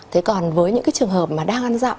thế còn với những cái trường hợp mà đang ăn dặm